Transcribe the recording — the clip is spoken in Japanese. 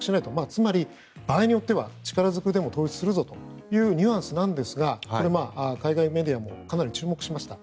つまり、場合によっては力ずくでも統一するぞというニュアンスなんですがこれは海外メディアもかなり注目しました。